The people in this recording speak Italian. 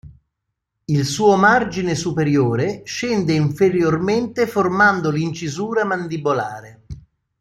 Il suo margine superiore scende inferiormente formando l'incisura mandibolare.